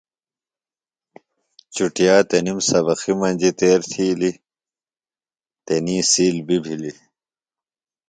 چُٹِیا تنِم سبقی مجیۡ تیر تِھیلیۡ۔ تنی سِیل بیۡ بِھلیۡ۔